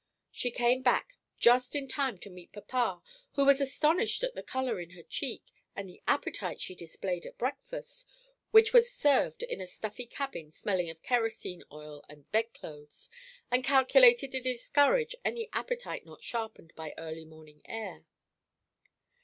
She came back just in time to meet papa, who was astonished at the color in her cheek and the appetite she displayed at breakfast, which was served in a stuffy cabin smelling of kerosene oil and bed clothes, and calculated to discourage any appetite not sharpened by early morning air.